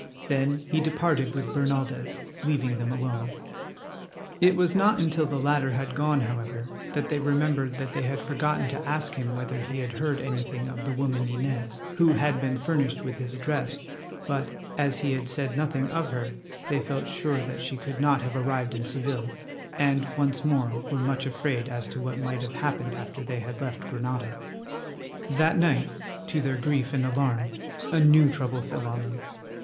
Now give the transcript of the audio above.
Then he departed with Bernaldez, leaving them alone. It was not until the latter had gone, however, that they remembered that they had forgotten to ask him whether he had heard anything of the woman Inez, who had been furnished with his address, but, as he had said nothing of her, they felt sure that she could not have arrived in Seville, and once more were much afraid as to what might have happened after they had left Granada. That night, to their grief and alarm, a new trouble fell on them.